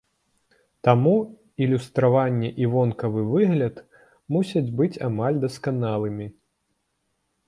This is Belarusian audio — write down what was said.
Таму ілюстраванне і вонкавы выгляд мусяць быць амаль дасканалымі.